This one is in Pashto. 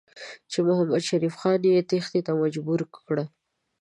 چې محمدشریف خان یې تېښتې ته مجبور کړ.